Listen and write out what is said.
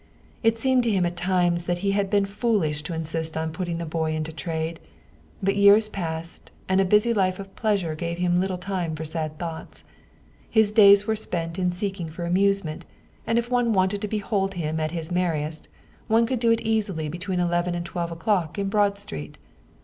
It seemed to him at times that he had been foolish to insist on putting the boy into trade. But years passed, and a busy life of pleasure gave him little time for sad thoughts. His days were spent in seeking for amuse ment, and if one wanted to behold him at his merriest, one could do it easily between eleven and twelve o'clock in Broad Street.